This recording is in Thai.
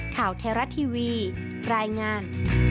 ข่าวเทราะทีวีรายงาน